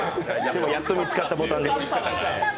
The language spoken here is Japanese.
「やっと見つかったボタン」です。